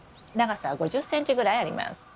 長さは５０ｃｍぐらいあります。